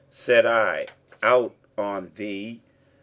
Said I, 'Out on thee!